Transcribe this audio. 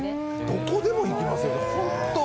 どこでも行きますよね